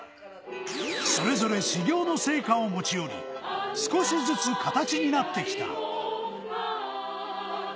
それぞれ修業の成果を持ち寄り、少しずつ形になってきた。